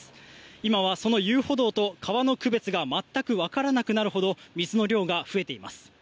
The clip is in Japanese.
今はその遊歩道と川の区別が全く分からなくなるほど水の量が増えています。